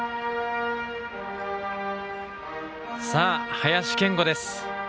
林謙吾です。